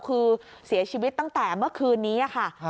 คือเสียชีวิตตั้งแต่เมื่อคืนนี้ค่ะ